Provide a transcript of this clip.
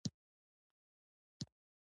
پادري د کوڅې په خټو او باراني اوبو کې روان وو.